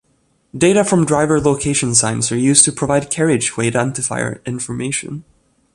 Data from driver location signs are used to provide carriageway identifier information.